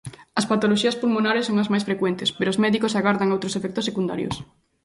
As patoloxías pulmonares son as máis frecuentes, pero os médicos agardan outros efectos secundarios.